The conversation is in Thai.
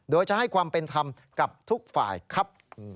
โดยจะให้ความเป็นธรรมกับทุกฝ่ายครับ